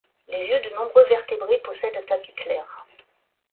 Les yeux de nombreux vertébrés possèdent un tapis clair.